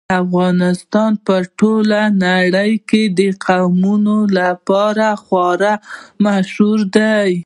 افغانستان په ټوله نړۍ کې د قومونه لپاره خورا مشهور دی.